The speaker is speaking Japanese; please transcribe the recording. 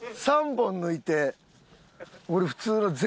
３本抜いて俺普通の。